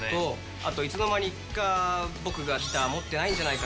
あと、いつのまにか、僕がギター持ってないんじゃないか？